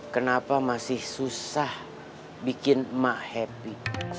kenapa masih susah bikin emak happy